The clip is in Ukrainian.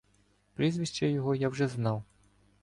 Прізвище його я вже знав.